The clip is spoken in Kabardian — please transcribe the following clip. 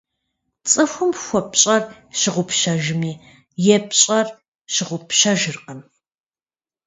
ЦӀыхум хуэпщӀэр щыгъупщэжми, епщӀэр щыгъупщэжыркъым.